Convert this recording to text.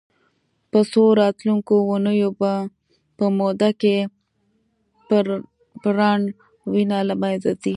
په څو راتلونکو اونیو په موده کې پرڼ وینه له منځه ځي.